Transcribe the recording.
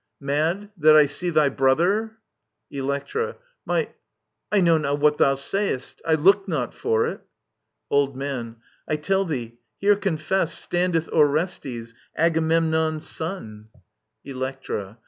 Mad, that I see Thy brother I Electra. My ••. I know not what thou say'st : I looked not for it ••• Old Man. I tell thee, here confessed Standeth Orestes, Agamemnon's son I Electra.